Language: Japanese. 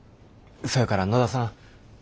そやから野田さん。